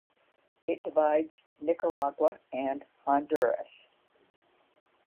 It divides Nicaragua and Honduras.